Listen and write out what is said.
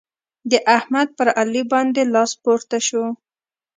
د احمد پر علي باندې لاس پورته شو.